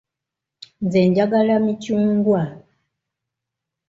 Nze njagala micungwa.